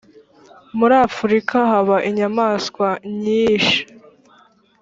muri afrika haba inyamaswa nyishi.